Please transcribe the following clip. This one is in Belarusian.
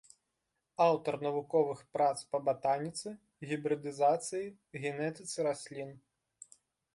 Аўтар навуковых прац па батаніцы, гібрыдызацыі, генетыцы раслін.